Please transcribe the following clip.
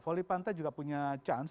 voli pantai juga punya chance